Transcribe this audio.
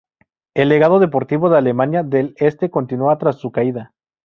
El legado deportivo de Alemania del Este continúa tras su caída.